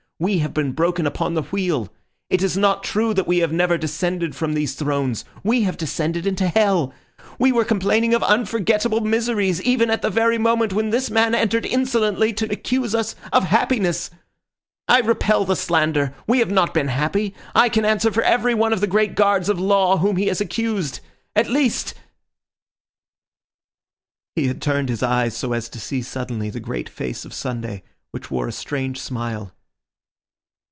We have been broken upon the wheel. It is not true that we have never descended from these thrones. We have descended into hell. We were complaining of unforgettable miseries even at the very moment when this man entered insolently to accuse us of happiness. I repel the slander; we have not been happy. I can answer for every one of the great guards of Law whom he has accused. At least—" He had turned his eyes so as to see suddenly the great face of Sunday, which wore a strange smile.